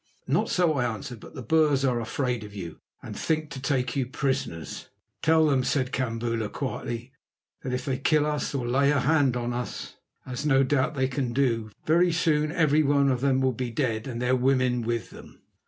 "Not so," I answered; "but the Boers are afraid of you and think to take you prisoners." "Tell them," said Kambula quietly, "that if they kill us or lay a hand on us, as no doubt they can do, very soon every one of them will be dead and their women with them."